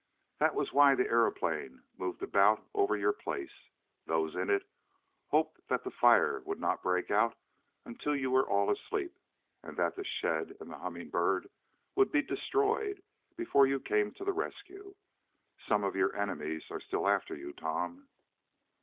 "That was why the aeroplane moved about over your place. Those in it hoped that the fire would not break out until you were all asleep, and that the shed and the Humming Bird would be destroyed before you came to the rescue. Some of your enemies are still after you, Tom."